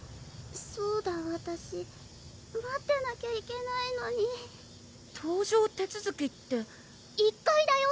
そうだわたし待ってなきゃいけないのに搭乗手つづきって１階だよ！